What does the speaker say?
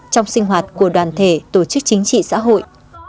trong sinh hoạt của đoàn thể tổ chức chính trị xã hội